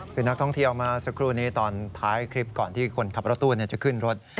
คือนักท่องเที่ยวมาสักครู่นี้ตอนท้ายคลิปก่อนที่คนขับรถตู้จะขึ้นรถ